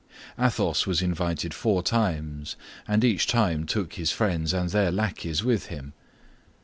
Athos was invited four times, and each time took his friends and their lackeys with him.